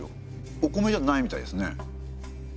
お米じゃないみたいですね。